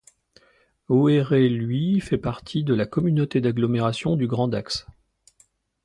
Oeyreluy fait partie de la communauté d'agglomération du Grand Dax.